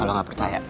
kalo gak percaya